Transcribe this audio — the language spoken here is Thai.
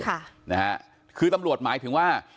ค่ะนะฮะคือตำรวจหมายถึงว่า